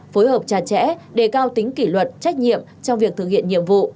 phối hợp chặt chẽ đề cao tính kỷ luật trách nhiệm trong việc thực hiện nhiệm vụ